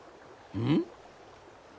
うん？